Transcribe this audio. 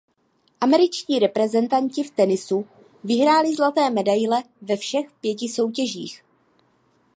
Američtí reprezentanti v tenisu vyhráli zlaté medaile ve všech pěti soutěžích.